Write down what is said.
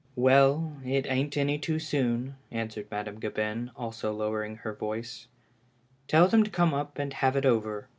"Well, it ain't any too soon," answered Madame Gabin, also lowering her voice. " Tell them to come up and have it over."